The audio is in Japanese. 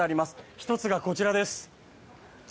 １つがこちらです。